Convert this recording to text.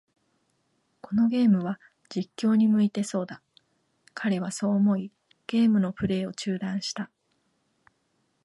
このゲームは、実況に向いてそうだ。彼はそう思い、ゲームのプレイを中断した。